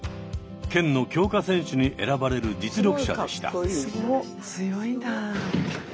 県の強化選手に選ばれる実力者でした。